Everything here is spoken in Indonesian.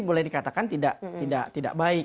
boleh dikatakan tidak baik